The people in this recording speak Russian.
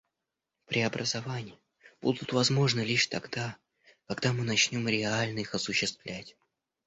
Преобразования будут возможны лишь тогда, когда мы начнем реально их осуществлять.